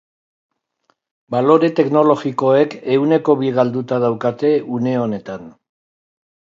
Balore teknologikoek ehuneko bi galduta daukate une honetan.